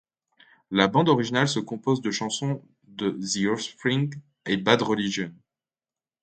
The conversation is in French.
La bande originale se compose de chansons de The Offspring et Bad Religion.